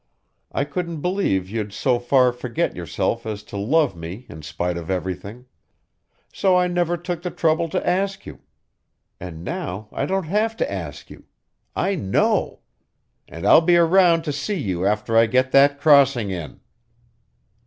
I couldn't believe you'd so far forget yourself as to love me in spite of everything so I never took the trouble to ask you. And now I don't have to ask you. I know! And I'll be around to see you after I get that crossing in!"